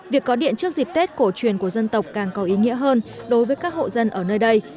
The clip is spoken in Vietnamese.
việc có điện trước dịp tết cổ truyền của dân tộc càng có ý nghĩa hơn đối với các hộ dân ở nơi đây